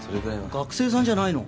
学生さんじゃないの？